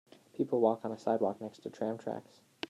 People walk on a sidewalk next to tram tracks.